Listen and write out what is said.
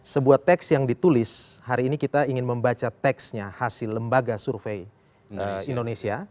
sebuah teks yang ditulis hari ini kita ingin membaca teksnya hasil lembaga survei indonesia